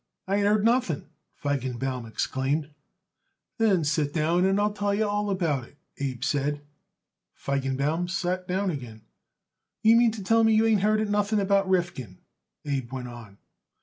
"I ain't heard nothing," Feigenbaum exclaimed. "Then sit down and I'll tell you all about it," Abe said. Feigenbaum sat down again. "You mean to tell me you ain't heard it nothing about Rifkin?" Abe went on.